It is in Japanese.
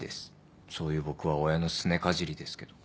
そういう僕は親のすねかじりですけど。